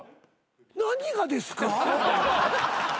何がですか？